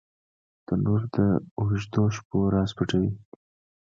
تنور د اوږدو شپو راز پټوي